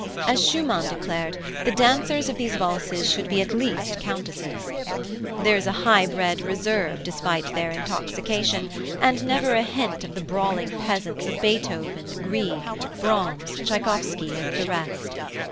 As Schumann declared, the dancers of these valses should be at least countesses. There is a high bred reserve despite their intoxication, and never a hint of the brawling peasants of Beethoven, Grieg, Brahms, Tschaikowsky, and the rest.